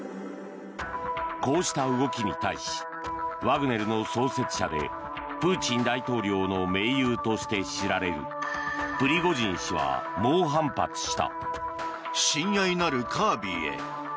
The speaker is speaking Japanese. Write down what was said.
こうした動きに対しワグネルの創設者でプーチン大統領の盟友として知られるプリゴジン氏は猛反発した。